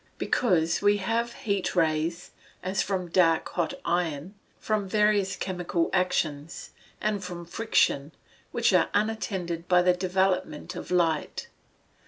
_ Because we have heat rays, as from dark hot iron, from various chemical actions, and from friction, which are unattended by the development of light.